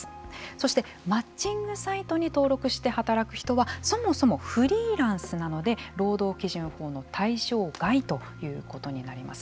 そして、マッチングサイトに登録して働く人はそもそもフリーランスなので労働基準法の対象外ということになります。